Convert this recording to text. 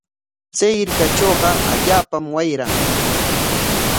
Chay hirkatrawqa allaapam wayran.